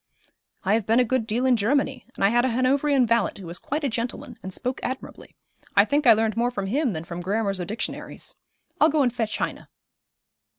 'I have been a good deal in Germany, and I had a Hanoverian valet who was quite a gentleman, and spoke admirably. I think I learned more from him than from grammars or dictionaries. I'll go and fetch Heine.'